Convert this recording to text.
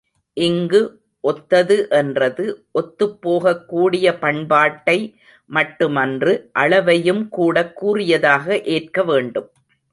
இங்கு ஒத்தது என்றது ஒத்துப் போகக்கூடிய பண்பாட்டை மட்டுமன்று அளவையும் கூடக் கூறியதாக ஏற்கவேண்டும்.